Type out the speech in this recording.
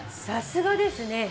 さすがですね。